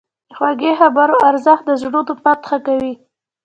د خوږې خبرې ارزښت د زړونو فتح کوي.